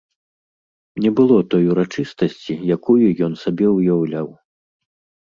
Не было той урачыстасці, якую ён сабе ўяўляў.